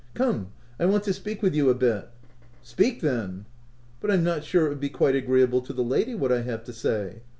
" Come, I want to speak with you a bit." " Speak, then." " But I'm not sure it would be quite agree able to the lady, what I have to say."